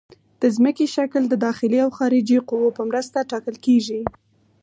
د ځمکې شکل د داخلي او خارجي قوو په مرسته ټاکل کیږي